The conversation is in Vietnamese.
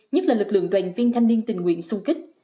nhất là lực lượng đoàn viên thanh niên tình nguyện sung kích